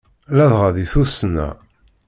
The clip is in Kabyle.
Ladɣa di tussna.